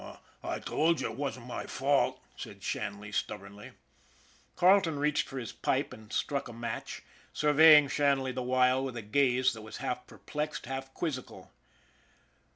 "" I told you 'twasn't my fault," said Shanley stub bornly. Carleton reached for his pipe, and struck a match, surveying Shanley the while with a gaze that was half perplexed, half quizzical.